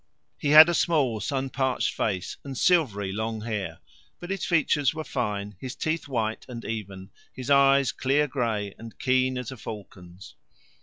He had a small, sun parched face, and silvery long hair; but his features were fine, his teeth white and even, his eyes clear grey and keen as a falcon's.